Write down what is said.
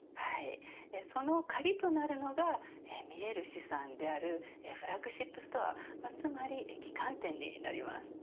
その鍵となるのが見える資産であるフラッグシップストア、つまり旗艦店になります。